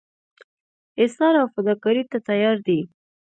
ایثار او فداکارۍ ته تیار دي.